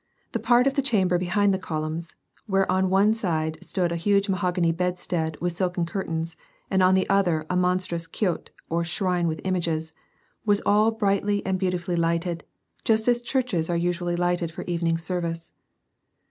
The part of the chamber behind the columns, where on one side stood a high mahogany bedstead with silken curtains, and on the other a monstrous kiot or shrine with images — was all brightly and beautifully lighted, just as churches are usually lighted for evening service.